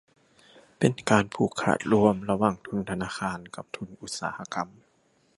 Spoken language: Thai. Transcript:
เป็นการผูกขาดร่วมระหว่างทุนธนาคารกับทุนอุตสาหกรรม